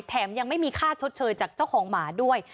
แถมยังไม่มีค่าชดเชยจากเจ้าของหมาด้วย